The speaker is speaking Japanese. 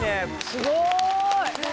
すごーい！